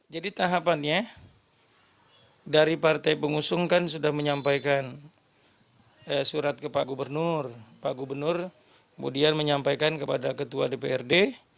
jadi tahapannya dari partai pengusung kan sudah menyampaikan surat ke pak gubernur pak gubernur kemudian menyampaikan kepada ketua dprd